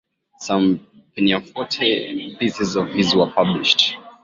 Some pianoforte pieces of his were published.